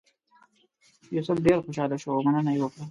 یوسف ډېر خوشاله شو او مننه یې وکړه.